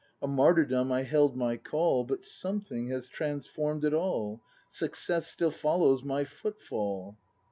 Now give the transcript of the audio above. A martyrdom I held my Call, But something has transform'd it all, — Success still follows my footfall.